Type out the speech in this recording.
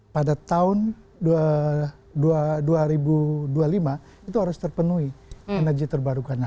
pada tahun dua ribu dua puluh lima itu harus terpenuhi energi terbarukannya